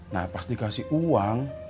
nah pas dikasih uang